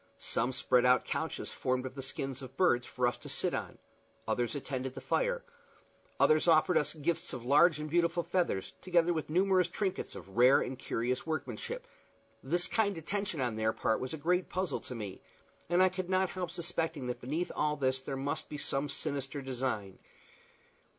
Some spread out couches formed of the skins of birds for us to sit on; others attended to the fire; others offered us gifts of large and beautiful feathers, together with numerous trinkets of rare and curious workmanship. This kind attention on their part was a great puzzle to me, and I could not help suspecting that beneath all this there must be some sinister design.